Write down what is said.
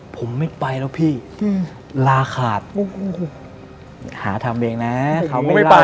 ผมไม่ไปแล้วพี่ลาขาดหาทำเองนะ